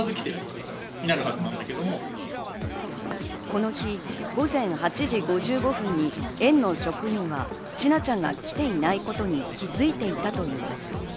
この日、午前８時５５分に園の職員は千奈ちゃんが来ていないことに気づいていたといいます。